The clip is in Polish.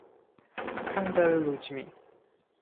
Handel ludźmi